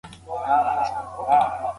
دوی ټولو په معاهده لاسلیک وکړ.